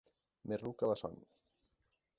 Més ruc que la son.